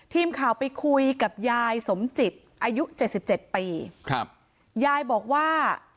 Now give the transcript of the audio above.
ทีมข่าวไปคุยกับยายสมจิตอายุ๗๗ปียายบอกว่า